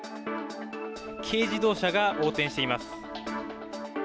軽自動車が横転しています。